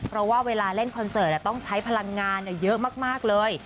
เพราะว่าเวลาเล่นคอนเสิร์ตต้องใช้พลังงานเยอะมากเลย